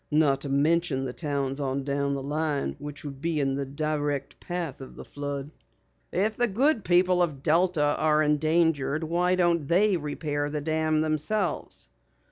Not to mention the towns on down the line which would be in the direct path of the flood." "If the good people of Delta are endangered why don't they repair the dam themselves?"